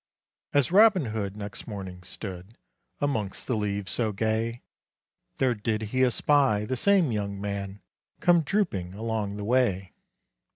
As Robin Hood next morning stood Amongst the leaves so gay, There did he espy the same young man Come drooping along the way.